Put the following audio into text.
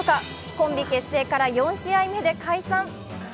コンビ結成から４試合目出解散。